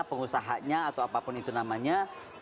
pengusahanya atau apapun itu namanya